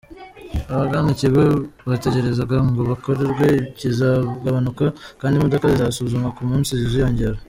abagana ikigo bategerezaga ngo bakorerwe kikazagabanuka kandi imodoka zizasuzumwa ku munsi ziziyongera.